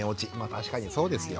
確かにそうですよ。